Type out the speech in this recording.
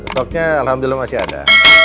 stoknya alhamdulillah masih ada